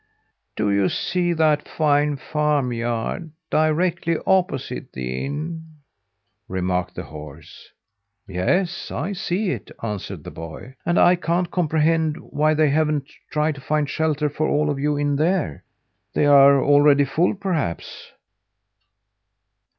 "Do you see that fine farm yard directly opposite the inn?" remarked the horse. "Yes, I see it," answered the boy, "and I can't comprehend why they haven't tried to find shelter for all of you in there. They are already full, perhaps?"